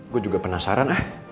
gue juga penasaran eh